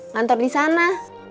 mantor di sana